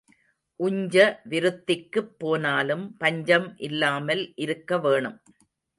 உஞ்ச விருத்திக்குப் போனாலும் பஞ்சம் இல்லாமல் இருக்க வேணும்.